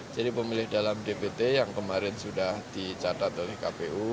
jadi pemilih dalam dpt yang kemarin sudah dicatat oleh kpu